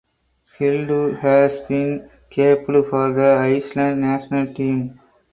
Hildur has been capped for the Iceland national team.